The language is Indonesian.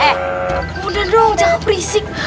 eh udah dong jangan berisik